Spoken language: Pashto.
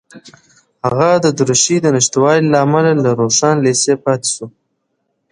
هغه د دریشۍ د نشتوالي له امله له روښان لېسې پاتې شو